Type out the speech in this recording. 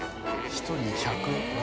１人１００ｇ。